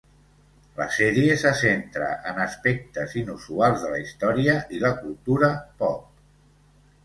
La sèrie se centra en aspectes inusuals de la història i la cultura pop.